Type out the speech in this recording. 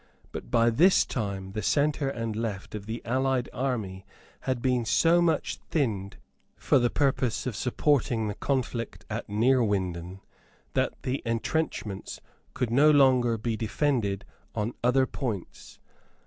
But by this time the centre and left of the allied army had been so much thinned for the purpose of supporting the conflict at Neerwinden that the entrenchments could no longer be defended on other points.